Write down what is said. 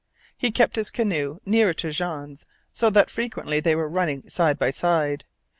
He kept his canoe nearer to Jean's, so that frequently they were running side by side.